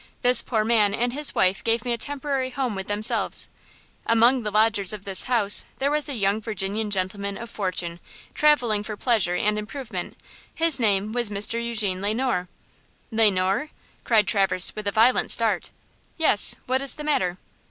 This poor man and his wife gave me a temporary home with themselves. Among the lodgers of the house there was a young Virginian gentleman of fortune, traveling for pleasure and improvement; his name was Mr. Eugene Le Noir." "Le Noir!" cried Traverse, with a violent start. "Yes–what is the matter?"